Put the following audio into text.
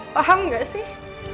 paham gak sih